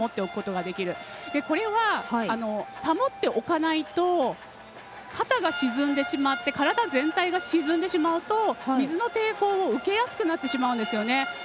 これは、保っておかないと肩が沈んでしまって体全体が沈んでしまうと、水の抵抗を受けやすくなってしまうんです。